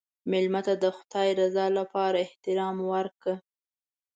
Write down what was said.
مېلمه ته د خدای رضا لپاره احترام ورکړه.